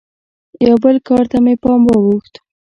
یوه بل کار ته مې پام واوښت.